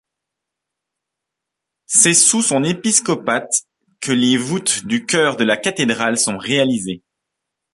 C'est sous son épiscopat que les voûtes du chœur de la cathédrale sont réalisées.